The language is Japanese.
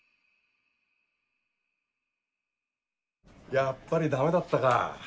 やっぱりダメだったか。